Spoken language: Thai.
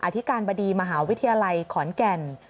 อธิการบดีมหาวิทยาลัยขอนแก่น